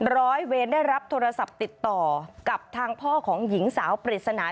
ร้อยเวรได้รับโทรศัพท์ติดต่อกับทางพ่อของหญิงสาวปริศนา